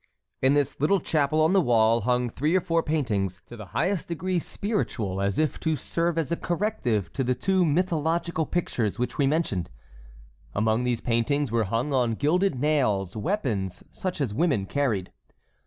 In this little chapel on the wall hung three or four paintings, to the highest degree spiritual, as if to serve as a corrective to the two mythological pictures which we mentioned. Among these paintings were hung on gilded nails weapons such as women carried.